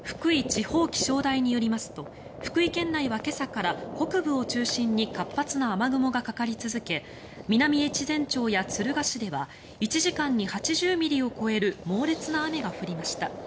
地方気象台によりますと福井県内は今朝から北部を中心に活発な雨雲がかかり続け南越前町や敦賀市では１時間に８０ミリを超える猛烈な雨が降りました。